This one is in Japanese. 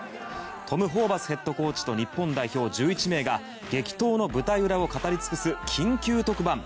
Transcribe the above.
トム・ホーバスヘッドコーチと日本代表１１名が激闘の舞台裏を語り尽くす緊急特番。